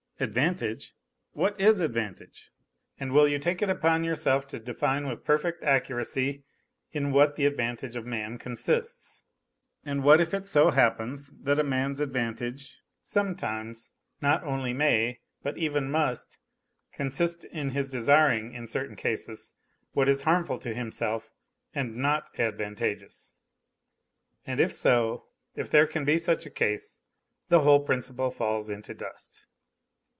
... Advantage ! What is advantage ? And will you take it upon yourself to define with perfect accuracy in what the advantage of man consists 1 And what if it so happens that a man's advantage, sometimes, not only may, but even must, consist in his desiring in certain cases what is harmful to himself and not advantageous. And if so, if there can be such a case, the whole principle falls into dust.